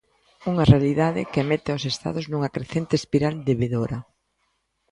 Unha realidade que mete aos estados nunha crecente espiral debedora.